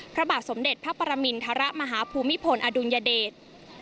พระบาทสมเด็จพระปรมินทรมาฮภูมิพลอดุลยเดช